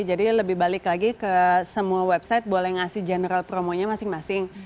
lebih balik lagi ke semua website boleh ngasih general promonya masing masing